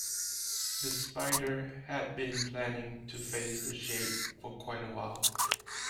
The Spider had been planning to face the Shade for quite a while.